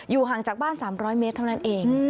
ห่างจากบ้าน๓๐๐เมตรเท่านั้นเอง